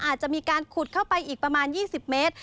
อาจจะมีการขุดเข้าไปอีกประมาณ๒๐เมตร